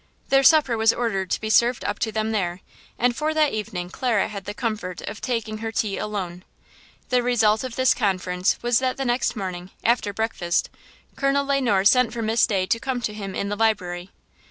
Their supper was ordered to be served up to them there; and for that evening Clara had the comfort of taking her tea alone. The result of this conference was that the next morning, after breakfast, Colonel Le Noir sent for Miss Day to come to him in the library.